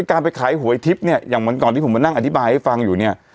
การไปขายหวยทิพย์เนี่ยอย่างเหมือนก่อนที่ผมมานั่งอธิบายให้ฟังอยู่เนี่ย